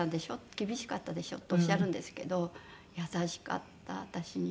厳しかったでしょ？」っておっしゃるんですけど優しかった私には。